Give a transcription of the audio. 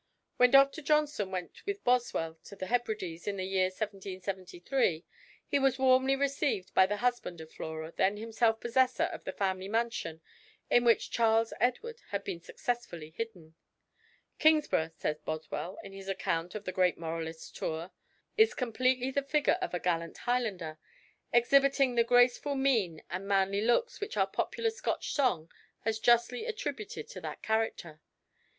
When Dr. Johnson went with Boswell to the Hebrides, in the year 1773, he was warmly received by the husband of Flora, then himself possessor of the family mansion in which Charles Edward had been successfully hidden. "Kingsburgh," says Boswell, in his account of the great moralist's tour, "is completely the figure of a gallant Highlander, exhibiting the graceful mien and manly looks which our popular Scotch song has justly attributed to that character.